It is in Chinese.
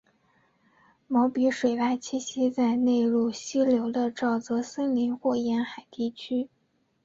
毛鼻水獭栖息在内陆溪流的沼泽森林或沿海地区。